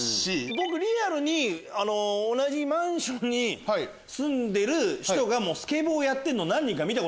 僕リアルに同じマンションに住んでる人がスケボーやってるの。